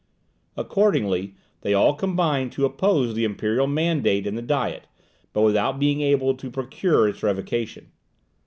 Accordingly, they all combined to oppose the imperial mandate in the Diet, but without being able to procure its revocation.